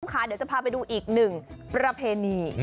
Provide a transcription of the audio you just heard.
เดี๋ยวจะพาไปดูอีกหนึ่งประเพณี